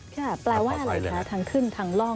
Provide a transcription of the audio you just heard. ค่ะแปลว่าอะไรคะทั้งขึ้นทั้งล่อง